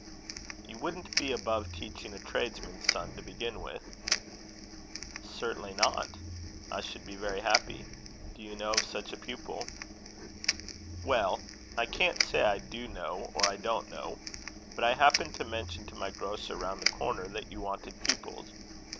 "You wouldn't be above teaching a tradesman's son to begin with?" "Certainly not. I should be very happy. Do you know of such a pupil?" "Well, I can't exactly say I do know or I don't know; but I happened to mention to my grocer round the corner that you wanted pupils.